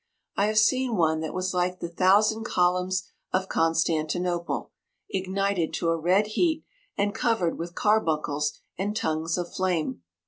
I have seen one that was like the Thousand Columns of Constantinople, ignited to a red heat, and covered with carbuncles and tongues of flame.